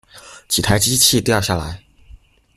幾台機器掉下來